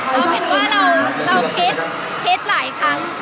เห็นว่าเราคิดหลายครั้ง